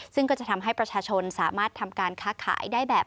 ซึ่งก็จะทำให้ประชาชนสามารถทำการค้าขายได้แบบ